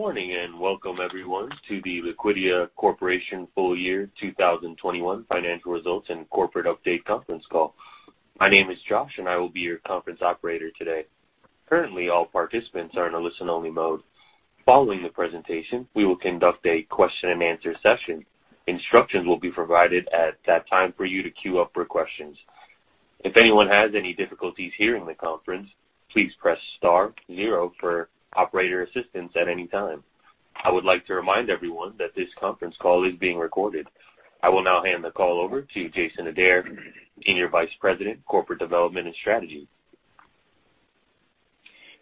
Good morning, and welcome everyone to the Liquidia Corporation Full-Year 2021 Financial Results and Corporate Update Conference Call. My name is Josh, and I will be your conference operator today. Currently, all participants are in a listen-only mode. Following the presentation, we will conduct a question-and-answer session. Instructions will be provided at that time for you to queue up for questions. If anyone has any difficulties hearing the conference, please press star zero for operator assistance at any time. I would like to remind everyone that this conference call is being recorded. I will now hand the call over to Jason Adair, Senior Vice President, Corporate Development and Strategy.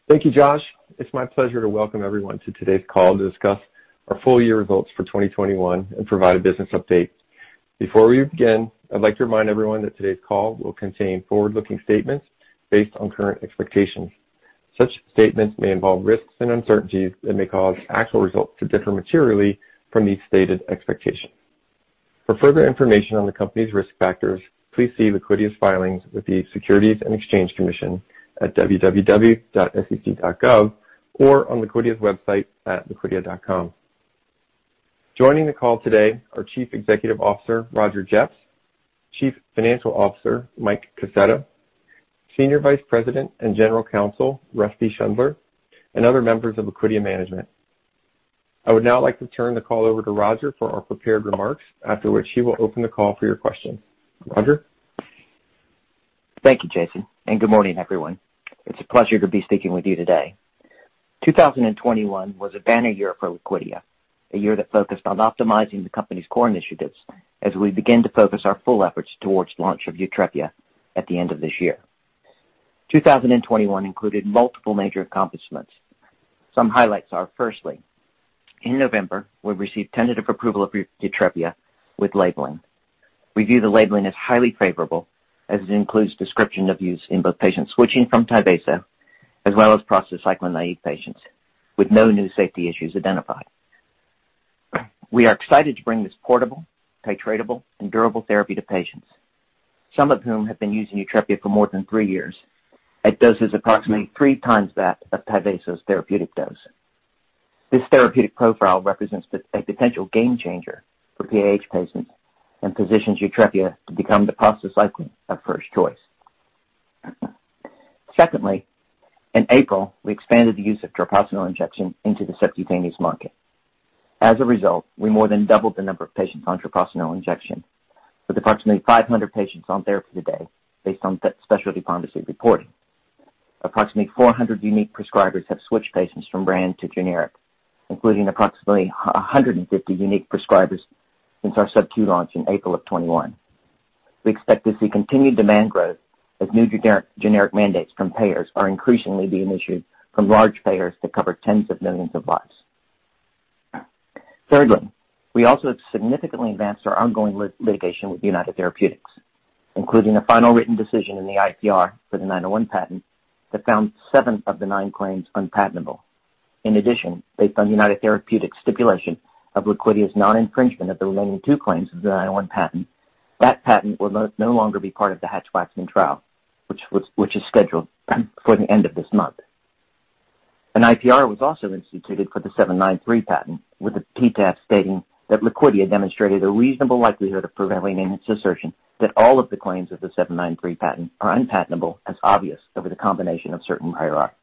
Thank you, Josh. It's my pleasure to welcome everyone to today's call to discuss our full-year results for 2021 and provide a business update. Before we begin, I'd like to remind everyone that today's call will contain forward-looking statements based on current expectations. Such statements may involve risks and uncertainties that may cause actual results to differ materially from these stated expectations. For further information on the company's risk factors, please see Liquidia's filings with the Securities and Exchange Commission at www.sec.gov or on Liquidia's website at liquidia.com. Joining the call today are Chief Executive Officer Roger Jeffs, Chief Financial Officer Michael Kaseta, Senior Vice President and General Counsel Rusty Schundler, and other members of Liquidia Management. I would now like to turn the call over to Roger for our prepared remarks. After which, he will open the call for your questions. Roger. Thank you, Jason, and good morning, everyone. It's a pleasure to be speaking with you today. 2021 was a banner year for Liquidia, a year that focused on optimizing the company's core initiatives as we begin to focus our full efforts towards launch of YUTREPIA at the end of this year. 2021 included multiple major accomplishments. Some highlights are, firstly, in November, we received tentative approval of YUTREPIA with labeling. We view the labeling as highly favorable as it includes description of use in both patients switching from Tyvaso as well as prostacyclin-naive patients with no new safety issues identified. We are excited to bring this portable, titratable, and durable therapy to patients, some of whom have been using YUTREPIA for more than three years at doses approximately three times that of Tyvaso's therapeutic dose. This therapeutic profile represents a potential game changer for PAH patients and positions YUTREPIA to become the prostacyclin of first choice. Secondly, in April, we expanded the use of Treprostinil Injection into the subcutaneous market. As a result, we more than doubled the number of patients on Treprostinil Injection, with approximately 500 patients on therapy today based on specialty pharmacy reporting. Approximately 400 unique prescribers have switched patients from brand to generic, including approximately 150 unique prescribers since our subQ launch in April of 2021. We expect to see continued demand growth as new generic mandates from payers are increasingly being issued from large payers that cover tens of millions of lives. Thirdly, we also have significantly advanced our ongoing litigation with United Therapeutics, including a final written decision in the IPR for the '901 patent that found seven of the nine claims unpatentable. In addition, based on United Therapeutics' stipulation of Liquidia's non-infringement of the remaining two claims of the '901 patent, that patent will no longer be part of the Hatch-Waxman trial, which is scheduled for the end of this month. An IPR was also instituted for the '793 patent, with the PTAB stating that Liquidia demonstrated a reasonable likelihood of prevailing in its assertion that all of the claims of the '793 patent are unpatentable as obvious over the combination of certain prior art.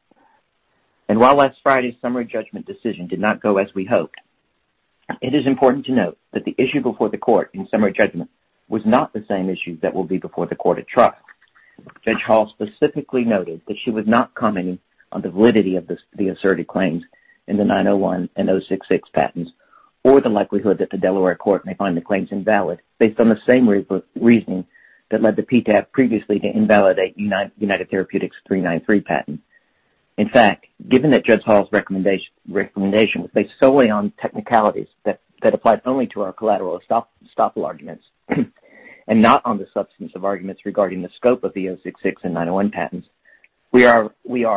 While last Friday's summary judgment decision did not go as we hoped, it is important to note that the issue before the court in summary judgment was not the same issue that will be before the court at trial. Judge Hall specifically noted that she was not commenting on the validity of the asserted claims in the '901 and '066 patents or the likelihood that the Delaware Court may find the claims invalid based on the same reasoning that led the PTAB previously to invalidate United Therapeutics' '393 patent. In fact, given that Judge Hall's recommendation was based solely on technicalities that applied only to our collateral estoppel arguments and not on the substance of arguments regarding the scope of the '066 and '901 patents, we are,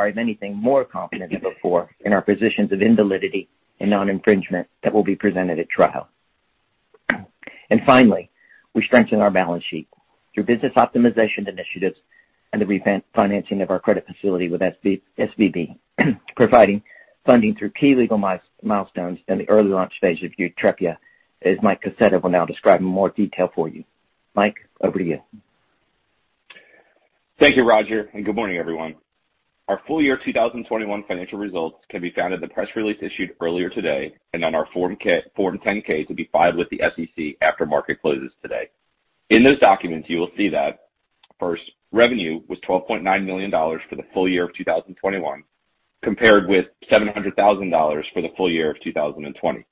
if anything, more confident than before in our positions of invalidity and non-infringement that will be presented at trial. Finally, we strengthened our balance sheet through business optimization initiatives and the refinancing of our credit facility with SVB, providing funding through key legal milestones in the early launch phase of YUTREPIA, as Mike Kaseta will now describe in more detail for you. Mike, over to you. Thank you, Roger, and good morning, everyone. Our full-year 2021 financial results can be found in the press release issued earlier today and on our Form 10-K to be filed with the SEC after market closes today. In those documents, you will see that first, revenue was $12.9 million for the full year of 2021, compared with $700,000 for the full year of 2020.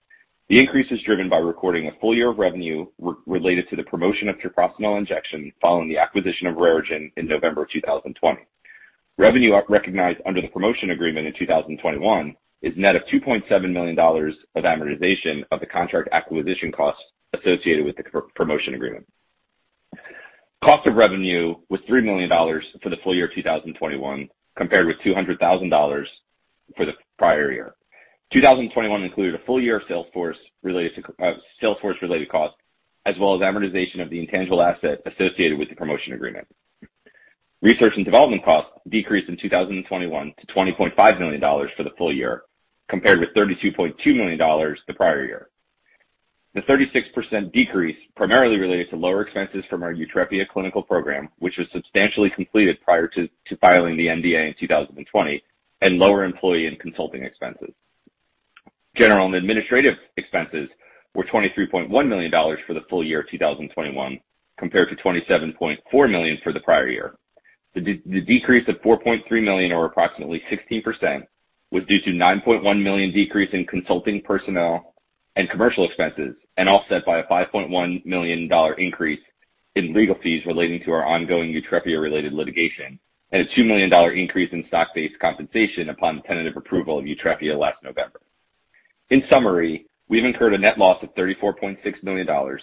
The increase is driven by recording a full year of revenue related to the promotion of Treprostinil Injection following the acquisition of RareGen in November of 2020. Revenue recognized under the promotion agreement in 2021 is net of $2.7 million of amortization of the contract acquisition costs associated with the promotion agreement. Cost of revenue was $3 million for the full year of 2021, compared with $200,000 for the prior year. 2021 included a full year of sales force-related costs, as well as amortization of the intangible asset associated with the promotion agreement. Research and development costs decreased in 2021 to $20.5 million for the full year, compared with $32.2 million the prior year. The 36% decrease primarily related to lower expenses from our YUTREPIA clinical program, which was substantially completed prior to filing the NDA in 2020 and lower employee and consulting expenses. General and administrative expenses were $23.1 million for the full year 2021, compared to $27.4 million for the prior year. The decrease of $4.3 million or approximately 16% was due to $9.1 million decrease in consulting personnel and commercial expenses, and offset by a $5.1 million increase in legal fees relating to our ongoing YUTREPIA-related litigation, and a $2 million increase in stock-based compensation upon the tentative approval of YUTREPIA last November. In summary, we've incurred a net loss of $34.6 million or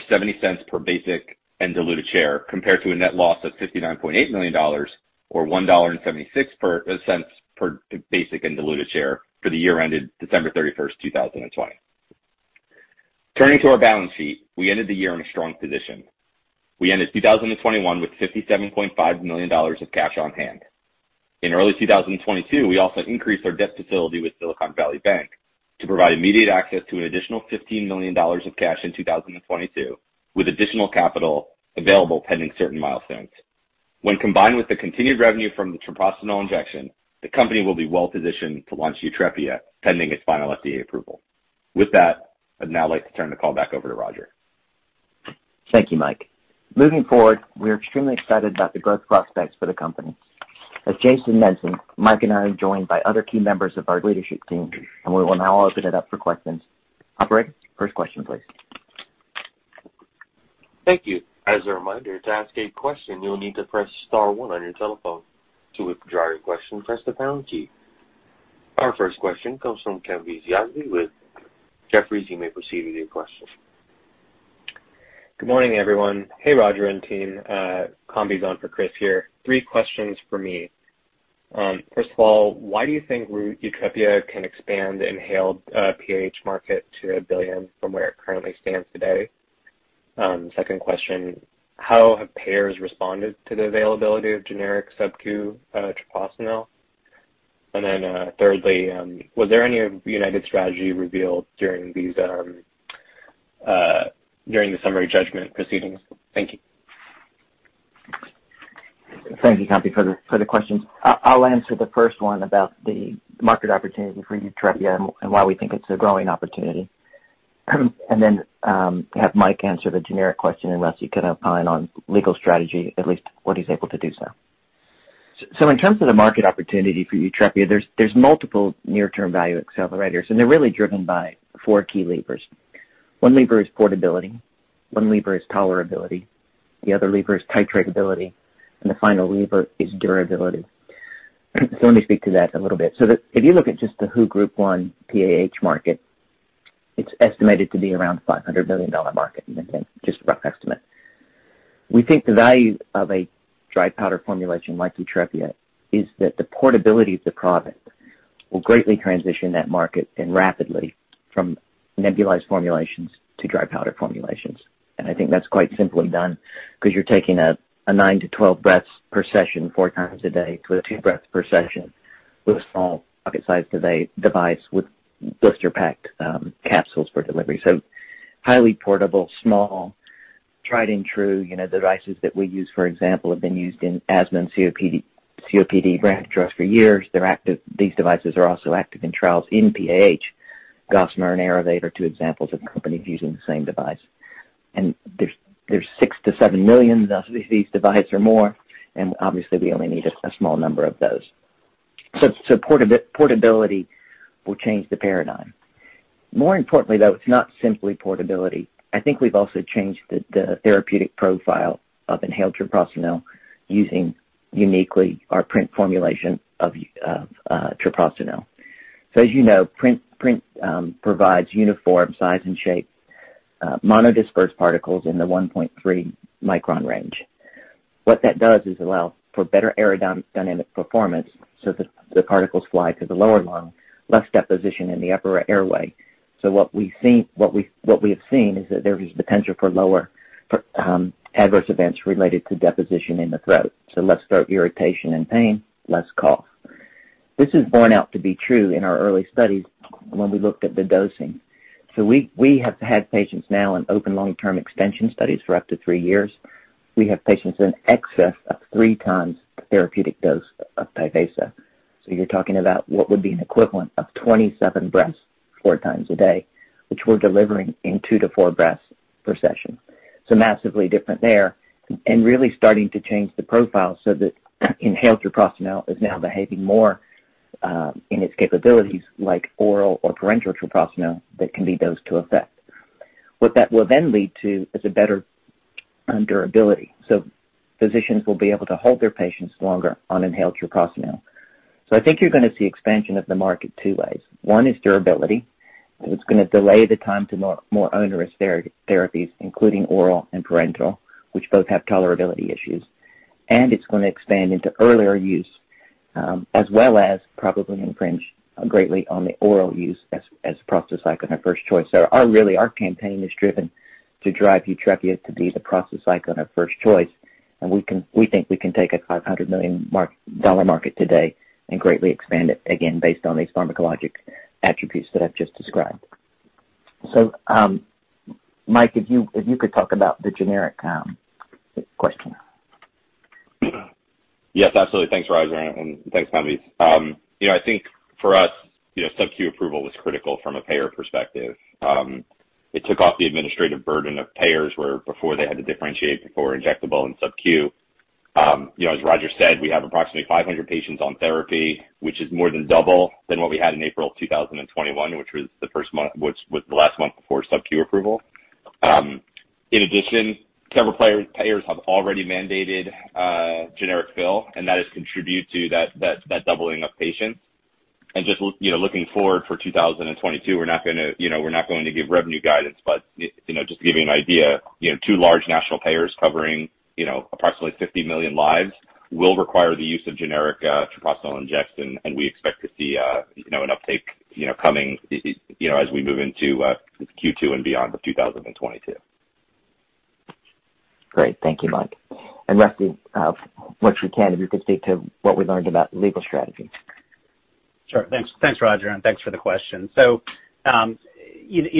$0.70 per basic and diluted share, compared to a net loss of $59.8 million or $1.76 per basic and diluted share for the year ended December 31, 2020. Turning to our balance sheet, we ended the year in a strong position. We ended 2021 with $57.5 million of cash on hand. In early 2022, we also increased our debt facility with Silicon Valley Bank to provide immediate access to an additional $15 million of cash in 2022, with additional capital available pending certain milestones. When combined with the continued revenue from the Treprostinil Injection, the company will be well-positioned to launch YUTREPIA pending its final FDA approval. With that, I'd now like to turn the call back over to Roger. Thank you, Mike. Moving forward, we are extremely excited about the growth prospects for the company. As Jason mentioned, Mike and I are joined by other key members of our leadership team, and we will now open it up for questions. Operator, first question please. Thank you. As a reminder, to ask a question, you'll need to press star one on your telephone. To withdraw your question, press the pound key. Our first question comes from Kambiz Yazdi with Jefferies. You may proceed with your question. Good morning, everyone. Hey, Roger and team. Kambiz Yazdi on for Chris here. Three questions for me. First of all, why do you think YUTREPIA can expand the inhaled PAH market to $1 billion from where it currently stands today? Second question, how have payers responded to the availability of generic sub-Q treprostinil? And then, thirdly, was there any United strategy revealed during the summary judgment proceedings? Thank you. Thank you, Kambiz, for the questions. I'll answer the first one about the market opportunity for YUTREPIA and why we think it's a growing opportunity. I'll have Mike answer the generic question, unless he can opine on legal strategy, at least what he's able to do so. In terms of the market opportunity for YUTREPIA, there's multiple near-term value accelerators, and they're really driven by four key levers. One lever is portability, one lever is tolerability, the other lever is titratability, and the final lever is durability. Let me speak to that a little bit. If you look at just the WHO Group 1 PAH market, it's estimated to be around $500 million market. Again, just a rough estimate. We think the value of a dry powder formulation like YUTREPIA is that the portability of the product will greatly transition that market and rapidly from nebulized formulations to dry powder formulations. I think that's quite simply done 'cause you're taking a nine to 12 breaths per session, four times a day, to a two breath per session with a small pocket-sized device with blister packed capsules for delivery. Highly portable, small, tried and true. You know, the devices that we use, for example, have been used in asthma and COPD breath drugs for years. These devices are also active in trials in PAH. Gossamer and Aerovate are two examples of companies using the same device. There's six to seven million of these device or more, and obviously we only need a small number of those. Portability will change the paradigm. More importantly, though, it's not simply portability. I think we've also changed the therapeutic profile of inhaled treprostinil using uniquely our PRINT formulation of treprostinil. As you know, PRINT provides uniform size and shape, monodispersed particles in the 1.3 µ range. What that does is allow for better aerodynamic performance so that the particles fly to the lower lung, less deposition in the upper airway. What we have seen is that there is the potential for lower adverse events related to deposition in the throat. Less throat irritation and pain, less cough. This has borne out to be true in our early studies when we looked at the dosing. We have had patients now in open long-term extension studies for up to three years. We have patients in excess of three times the therapeutic dose of Tyvaso. You're talking about what would be an equivalent of 27 breaths four times a day, which we're delivering in two to four breaths per session. Massively different there. Really starting to change the profile so that inhaled treprostinil is now behaving more in its capabilities like oral or parenteral treprostinil that can be dosed to effect. What that will then lead to is a better durability. Physicians will be able to hold their patients longer on inhaled treprostinil. I think you're gonna see expansion of the market two ways. One is durability. It's gonna delay the time to more onerous therapies, including oral and parenteral, which both have tolerability issues. It's gonna expand into earlier use. As well as probably infringe greatly on the oral use as prostacyclin, our first choice. Our campaign is driven to drive YUTREPIA to be the prostacyclin of first choice, and we think we can take a $500 million market today and greatly expand it, again, based on these pharmacologic attributes that I've just described. Mike, if you could talk about the generic question. Absolutely. Thanks, Roger, and thanks, Kambiz. You know, I think for us, you know, sub-Q approval was critical from a payer perspective. It took off the administrative burden of payers where before they had to differentiate between injectable and sub-Q. You know, as Roger said, we have approximately 500 patients on therapy, which is more than double what we had in April 2021, which was the last month before sub-Q approval. In addition, several payers have already mandated generic fill, and that has contributed to that doubling of patients. Just, you know, looking forward for 2022, we're not going to give revenue guidance, but, you know, just to give you an idea, you know, two large national payers covering, you know, approximately 50 million lives will require the use of generic treprostinil injection, and we expect to see, you know, an uptake, you know, coming, you know, as we move into Q2 and beyond of 2022. Great. Thank you, Mike. Rusty, once we can, if you could speak to what we learned about legal strategy. Sure. Thanks, Roger, and thanks for the question. You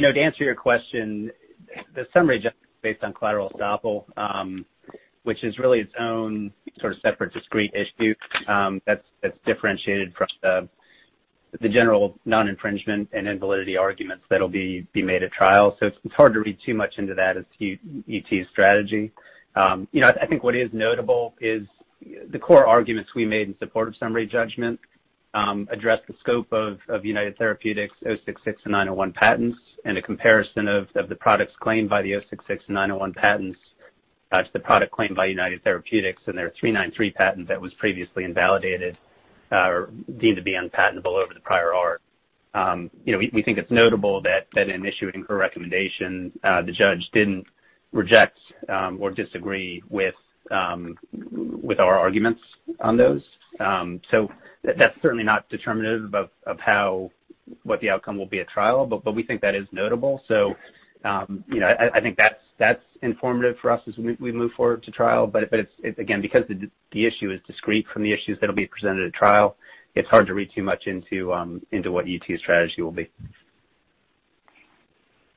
know, to answer your question, the summary judgment based on collateral estoppel, which is really its own sort of separate discrete issue, that's differentiated from the general non-infringement and invalidity arguments that'll be made at trial. It's hard to read too much into that as to UT's strategy. You know, I think what is notable is the core arguments we made in support of summary judgment address the scope of United Therapeutics' '066 and '901 patents, and a comparison of the products claimed by the '066 and '901 patents to the product claimed by United Therapeutics and their '393 patent that was previously invalidated or deemed to be unpatentable over the prior art. We think it's notable that in issuing her recommendation, the judge didn't reject or disagree with our arguments on those. That's certainly not determinative of what the outcome will be at trial, but we think that is notable. You know, I think that's informative for us as we move forward to trial. It's again, because the issue is discrete from the issues that'll be presented at trial, it's hard to read too much into what UT's strategy will be.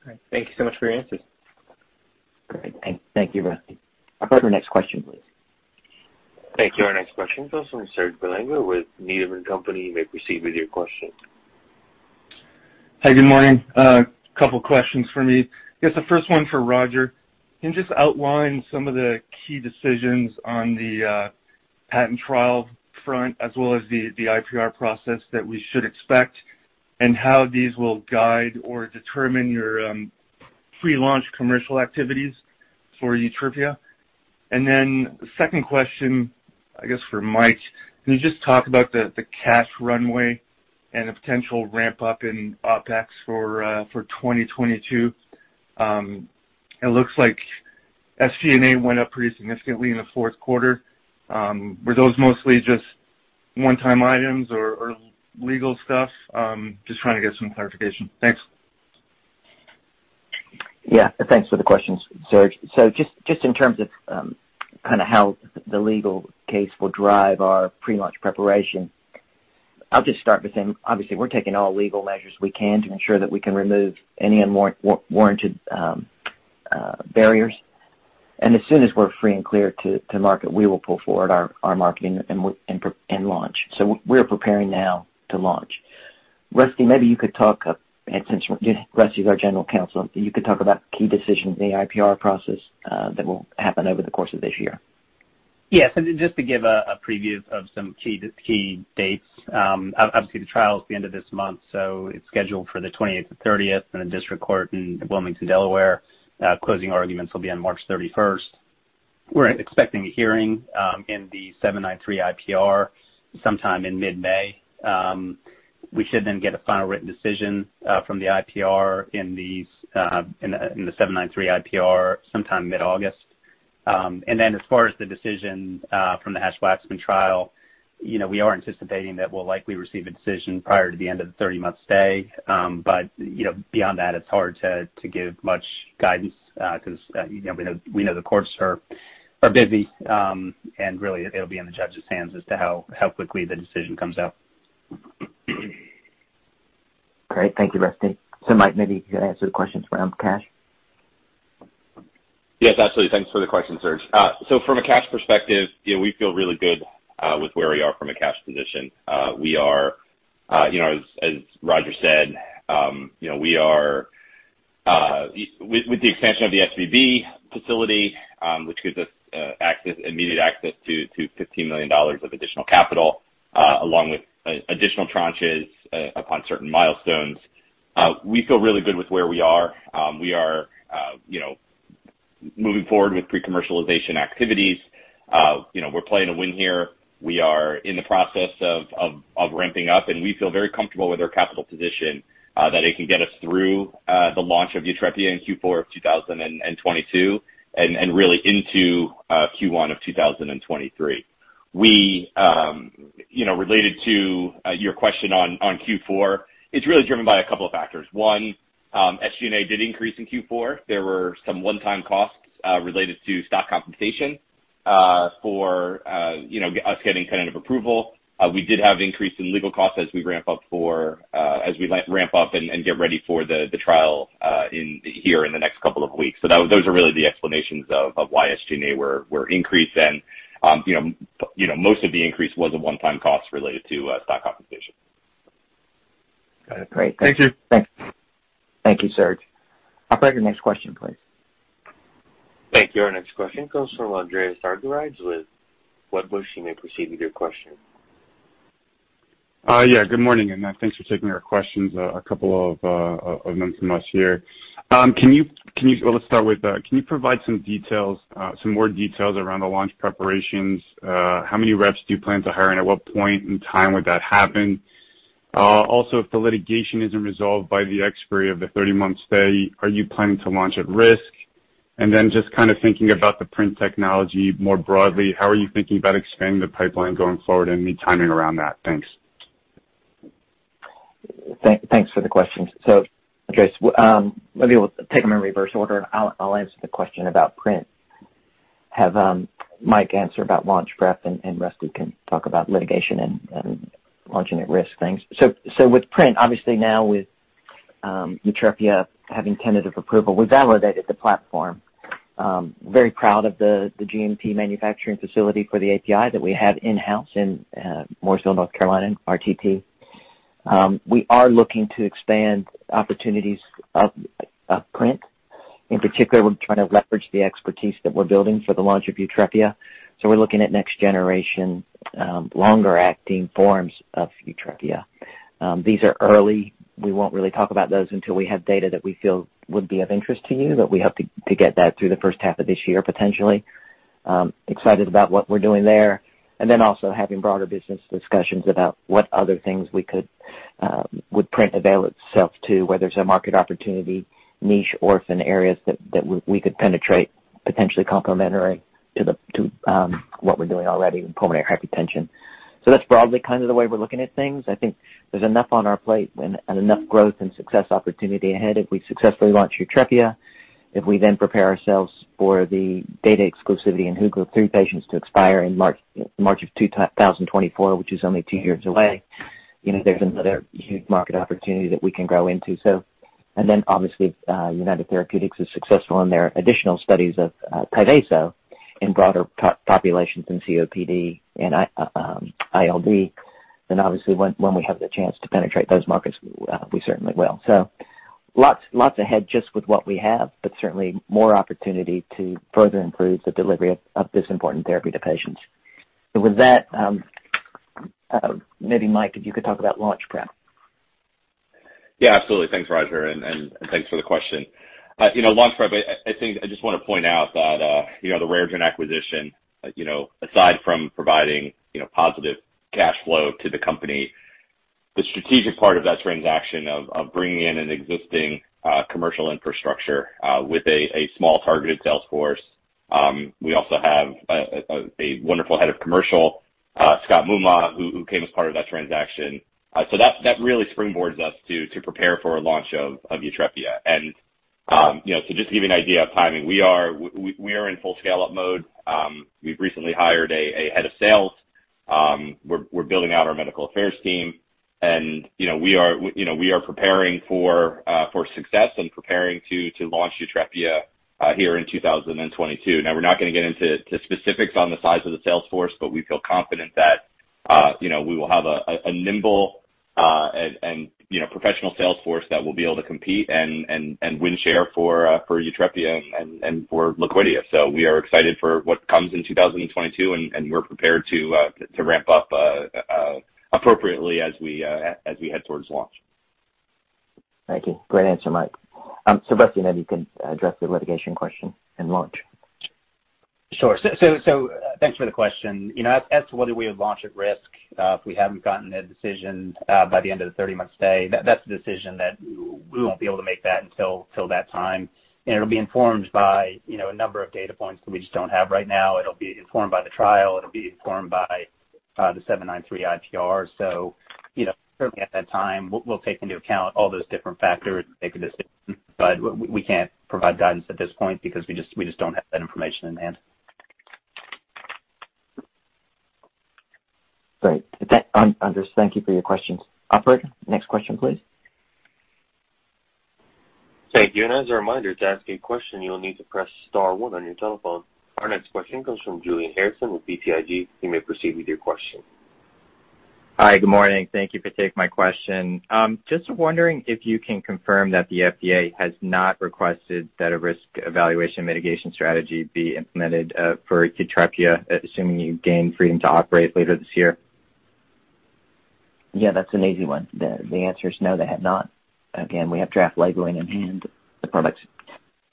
All right. Thank you so much for your answers. Great. Thank you, Rusty. Operator, next question, please. Thank you. Our next question comes from Serge Belanger with Needham & Company. You may proceed with your question. Hi, good morning. Couple questions for me. I guess the first one for Roger. Can you just outline some of the key decisions on the patent trial front as well as the IPR process that we should expect, and how these will guide or determine your pre-launch commercial activities for YUTREPIA? The second question, I guess, for Mike. Can you just talk about the cash runway and the potential ramp-up in OpEx for 2022? It looks like SG&A went up pretty significantly in the fourth quarter. Were those mostly just one-time items or legal stuff? Just trying to get some clarification. Thanks. Thanks for the questions, Serge. Just in terms of kinda how the legal case will drive our pre-launch preparation, I'll just start by saying obviously we're taking all legal measures we can to ensure that we can remove any unwarranted barriers. As soon as we're free and clear to market, we will pull forward our marketing and launch. We're preparing now to launch. Rusty, maybe you could talk since Rusty is our General Counsel. You could talk about key decisions in the IPR process that will happen over the course of this year. Just to give a preview of some key dates, obviously, the trial is the end of this month, so it's scheduled for the 20th to 30th in a district court in Wilmington, Delaware. Closing arguments will be on March 31st. We're expecting a hearing in the '793 IPR sometime in mid-May. We should then get a final written decision from the IPR in the '793 IPR sometime mid-August. Then as far as the decision from the Hatch-Waxman trial, you know, we are anticipating that we'll likely receive a decision prior to the end of the 30-month stay. You know, beyond that, it's hard to give much guidance, 'cause you know, we know the courts are busy, and really it'll be in the judge's hands as to how quickly the decision comes out. Great. Thank you, Rusty. Mike, maybe you could answer the questions around cash. Absolutely. Thanks for the question, Serge. From a cash perspective, you know, we feel really good with where we are from a cash position. As Roger said, with the expansion of the SVB facility, which gives us immediate access to $15 million of additional capital, along with additional tranches upon certain milestones, we feel really good with where we are. We are, you know, moving forward with pre-commercialization activities. You know, we're playing to win here. We are in the process of ramping up, and we feel very comfortable with our capital position that it can get us through the launch of YUTREPIA in Q4 of 2022 and really into Q1 of 2023. You know, related to your question on Q4, it's really driven by a couple of factors. One, SG&A did increase in Q4. There were some one-time costs related to stock compensation for you know, us getting kind of approval. We did have increase in legal costs as we ramp up and get ready for the trial in the next couple of weeks. Those are really the explanations of why SG&A were increased. You know, most of the increase was a one-time cost related to stock compensation. Got it. Great. Thank you. Thanks. Thank you, Serge. Operator, next question, please. Thank you. Our next question comes from Andreas Argyrides with Wedbush. You may proceed with your question. Good morning, and thanks for taking our questions. A couple of them from us here. Well, let's start with, can you provide some details, some more details around the launch preparations? How many reps do you plan to hire, and at what point in time would that happen? Also, if the litigation isn't resolved by the expiry of the 30-month stay, are you planning to launch at risk? Just kind of thinking about the print technology more broadly, how are you thinking about expanding the pipeline going forward and any timing around that? Thanks. Thanks for the questions. Andreas, maybe we'll take them in reverse order. I'll answer the question about PRINT, have Mike answer about launch prep, and Rusty can talk about litigation and launching at risk things. With PRINT, obviously now with YUTREPIA having tentative approval, we validated the platform. Very proud of the GMP manufacturing facility for the API that we have in-house in Mooresville, North Carolina, RTP. We are looking to expand opportunities of PRINT. In particular, we're trying to leverage the expertise that we're building for the launch of YUTREPIA, so we're looking at next generation longer acting forms of YUTREPIA. These are early. We won't really talk about those until we have data that we feel would be of interest to you, but we hope to get that through the first half of this year, potentially. Excited about what we're doing there. Also having broader business discussions about what other things we could would PRINT avail itself to, whether it's a market opportunity, niche, orphan areas that we could penetrate potentially complementary to the what we're doing already in pulmonary hypertension. That's broadly kind of the way we're looking at things. I think there's enough on our plate and enough growth and success opportunity ahead. If we successfully launch YUTREPIA, if we then prepare ourselves for the data exclusivity in WHO Group 3 patients to expire in March of 2024, which is only two years away, you know, there's another huge market opportunity that we can grow into. Then obviously, United Therapeutics is successful in their additional studies of Tyvaso in broader populations in COPD and ILD. Obviously, when we have the chance to penetrate those markets, we certainly will. Lots ahead just with what we have, but certainly more opportunity to further improve the delivery of this important therapy to patients. With that, maybe Mike, if you could talk about launch prep. Absolutely. Thanks, Roger, and thanks for the question. You know, launch prep, I think I just wanna point out that you know, the RareGen acquisition you know, aside from providing positive cash flow to the company, the strategic part of that transaction of bringing in an existing commercial infrastructure with a wonderful Head of Commercial, Scott Moomaw, who came as part of that transaction. That really springboards us to prepare for a launch of YUTREPIA. You know, just to give you an idea of timing, we are in full scale-up mode. We've recently hired a Head of Sales. We're building out our medical affairs team. You know, we are preparing for success and preparing to launch YUTREPIA here in 2022. Now, we're not gonna get into the specifics on the size of the sales force, but we feel confident that, you know, we will have a nimble and professional sales force that will be able to compete and win share for YUTREPIA and for Liquidia. We are excited for what comes in 2022, and we're prepared to ramp up appropriately as we head towards launch. Thank you. Great answer, Mike. Rusty, maybe you can address the litigation question and launch. Sure. Thanks for the question. You know, as to whether we would launch at risk, if we haven't gotten a decision by the end of the 30-month stay, that's a decision that we won't be able to make until that time. It'll be informed by, you know, a number of data points that we just don't have right now. It'll be informed by the trial. It'll be informed by the '793 IPR. You know, certainly at that time, we'll take into account all those different factors, make a decision, but we can't provide guidance at this point because we just don't have that information in hand. Great. With that, Andreas, thank you for your questions. Operator, next question, please. Thank you. As a reminder, to ask a question, you will need to press star one on your telephone. Our next question comes from Julian Harrison with BTIG. You may proceed with your question. Hi. Good morning. Thank you for taking my question. Just wondering if you can confirm that the FDA has not requested that a risk evaluation mitigation strategy be implemented, for YUTREPIA, assuming you gain freedom to operate later this year? That's an easy one. The answer is no, they have not. Again, we have draft labeling in hand. The product's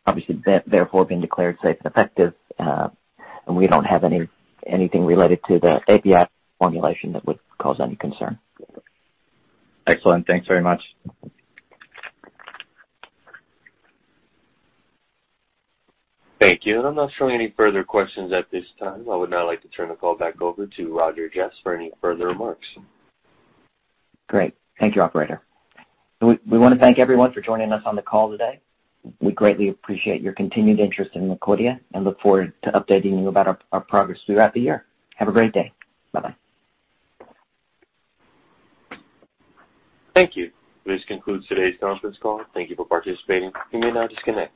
obviously there, therefore been declared safe and effective, and we don't have anything related to the API formulation that would cause any concern. Excellent. Thanks very much. Thank you. I'm not showing any further questions at this time. I would now like to turn the call back over to Roger Jeffs for any further remarks. Great. Thank you, operator. We wanna thank everyone for joining us on the call today. We greatly appreciate your continued interest in Liquidia and look forward to updating you about our progress throughout the year. Have a great day. Bye-bye. Thank you. This concludes today's conference call. Thank you for participating. You may now disconnect.